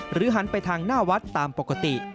หันไปทางหน้าวัดตามปกติ